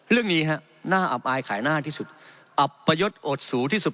เรื่องนี้ฮะน่าอับอายขายหน้าที่สุดอับประยศอดสูงที่สุด